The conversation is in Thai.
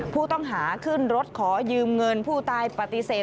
ผู้ต้องหาขึ้นรถขอยืมเงินผู้ตายปฏิเสธ